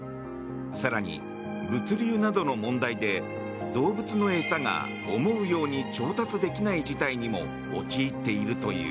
更に物流などの問題で動物の餌が思うように調達できない事態にも陥っているという。